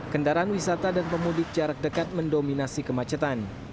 kendaraan wisata dan pemudik jarak dekat mendominasi kemacetan